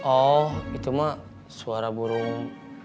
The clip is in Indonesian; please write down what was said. oh itu mah suara burung